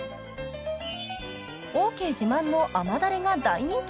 ［オーケー自慢の甘だれが大人気］